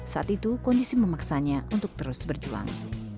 saat itu kondisi memaksanya untuk terus berjuang